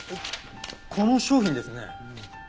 この商品ですね。